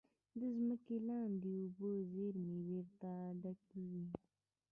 د ځمکې لاندې اوبو زیرمې بېرته ډکېږي.